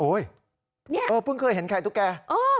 โอ้ยเนี่ยเพิ่งเคยเห็นไข่ตุ๊กแก่